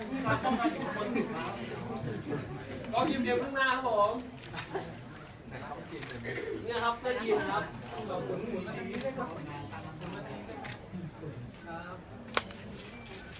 ท้องติดเดียวพึ่งมาครับผมมี่นะครับต้องยินครับ